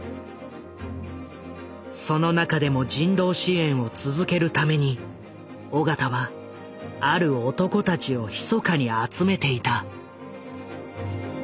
その中でも人道支援を続けるために緒方はある男たちをひそかに集めていた。